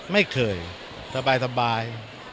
ไม่เคยสบาย